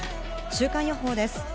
週間予報です。